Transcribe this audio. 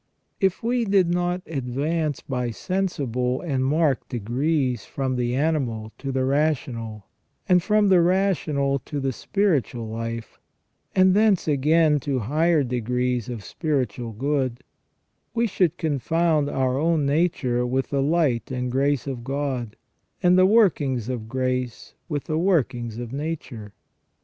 265 If we did not advance by sensible and marked degrees from the animal to the rational, and from the rational to the spiritual life, and thence again to higher degrees of spiritual good, we should confound our own nature with the light and grace of God, and the workings of grace with the workings of nature.